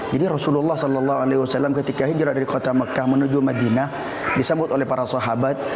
jadi rasulullah saw ketika hijrah dari kota mecca menuju madinah disambut oleh para sahabat